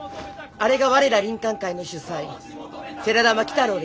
あれが我ら林肯会の主宰世良田摩喜太郎です。